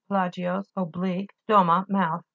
plagios, ob lique, stoma, mouth.